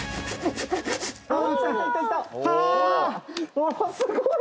おすごい！